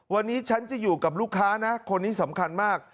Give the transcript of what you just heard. วันนี้ฉันจะอยู่กับลูกค้านะคนนี้สำคัญมาก